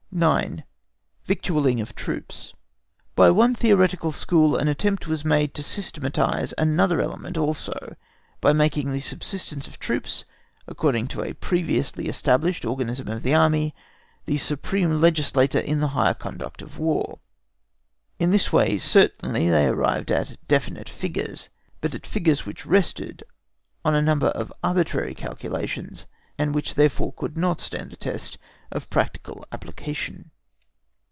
9. VICTUALLING OF TROOPS. By one theoretical school an attempt was made to systematise another material element also, by making the subsistence of troops, according to a previously established organism of the Army, the supreme legislator in the higher conduct of War. In this way certainly they arrived at definite figures, but at figures which rested on a number of arbitrary calculations, and which therefore could not stand the test of practical application.